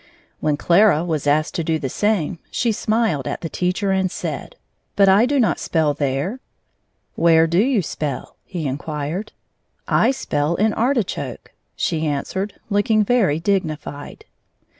When Clara was asked to do the same, she smiled at the teacher and said: "But I do not spell there!" "Where do you spell?" he inquired. "I spell in artichoke," she answered, looking very dignified.